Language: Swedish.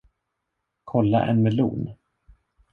Kolla en melon.